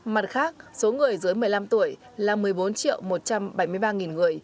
mặt khác số người dưới một mươi năm tuổi là một mươi bốn một trăm bảy mươi ba người